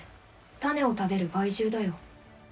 種を食べる害獣だよ。